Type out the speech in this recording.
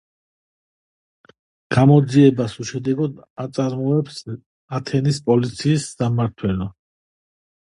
გამოძიებას უშედეგოდ აწარმოებს ათენის პოლიციის სამმართველო.